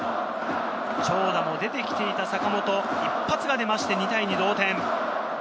長打も出て来ていた坂本、一発が出まして、２対２、同点。